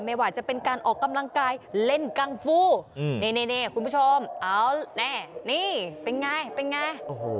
ไม่ว่าจะเป็นการออกกำลังกายเล่นกังฟูนี่คุณผู้ชมเอาแน่นี่เป็นไงเป็นไง